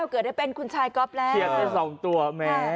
ก็ได้เป็นคุณชายก๊อบแล้วเขียนไปสองตัวแม่